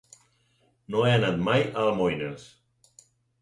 No he anat mai a Almoines.